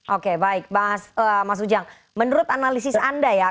oke baik mas ujang menurut analisis anda ya